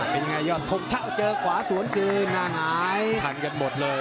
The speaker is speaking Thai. เป็นไงยอดทงถ้าเจอขวาสวนคืนหน้าหายทันกันหมดเลย